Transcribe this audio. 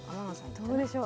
どうでしょう？